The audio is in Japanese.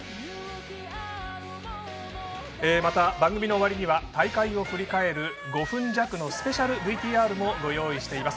また、番組の終わりには大会を振り返る５分弱のスペシャルＶＴＲもご用意しています。